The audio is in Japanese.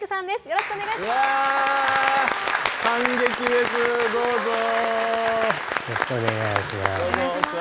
よろしくお願いします。